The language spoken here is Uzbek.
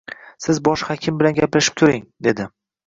Siz bosh hakim bilan gaplashib ko`ring, dedi